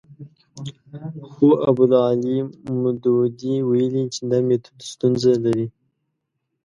خو ابوالاعلی مودودي ویلي چې دا میتود ستونزه لري.